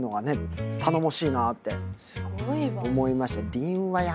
頼もしいなって思いました。